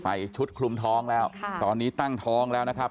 ชุดคลุมท้องแล้วตอนนี้ตั้งท้องแล้วนะครับ